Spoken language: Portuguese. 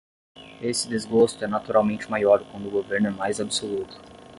Esse desgosto é naturalmente maior quando o governo é mais absoluto.